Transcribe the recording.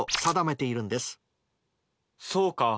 そうか。